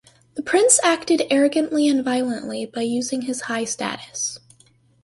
The Prince acted arrogantly and violently by using his high status.